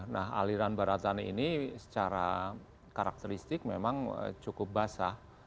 nah aliran baratan ini secara karakteristik memang cukup basah